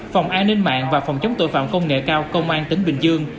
phòng an ninh mạng và phòng chống tội phạm công nghệ cao công an tỉnh bình dương